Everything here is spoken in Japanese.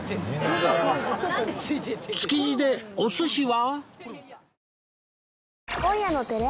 築地でお寿司は？